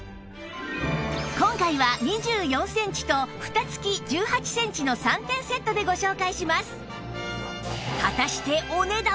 今回は２４センチとふた付き１８センチの３点セットでご紹介します